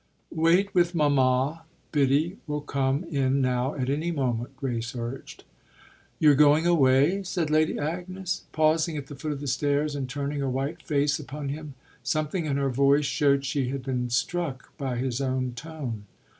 "Wait with mamma. Biddy will come in now at any moment," Grace urged. "You're going away?" said Lady Agnes, pausing at the foot of the stairs and turning her white face upon him. Something in her voice showed she had been struck by his own tone.